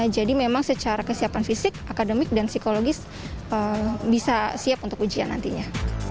jadi memang secara kesiapan fisik akademik dan psikologis bisa siap untuk ujian nantinya